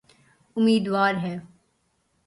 امیدوار ہے۔